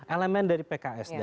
elemen dari pks